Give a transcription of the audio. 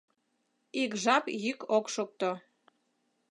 Ик жап йӱк ок шокто.